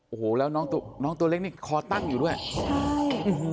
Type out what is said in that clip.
โอ้โหแล้วน้องน้องตัวเล็กนี่คอตั้งอยู่ด้วยใช่อืม